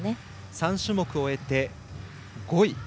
３種目を終えて５位。